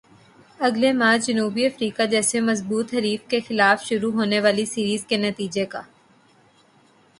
اگلے ماہ جنوبی افریقہ جیسے مضبوط حریف کے خلاف شروع ہونے والی سیریز کے نتیجے کا